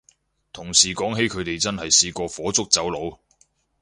同事講起佢哋真係試過火燭走佬